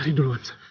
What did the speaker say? lari duluan sa